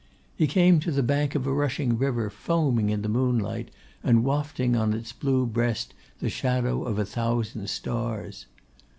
He came to the bank of a rushing river, foaming in the moonlight, and wafting on its blue breast the shadow of a thousand stars.